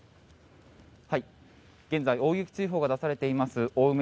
現在大雪注意報が出されています